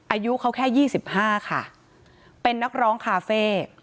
อายุเขาแค่๒๕ค่ะเป็นนักร้องคาเฟ่